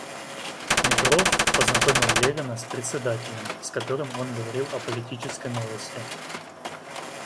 Метров познакомил Левина с председателем, с которым он говорил о политической новости.